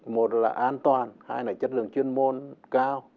một là an toàn hai là chất lượng chuyên môn cao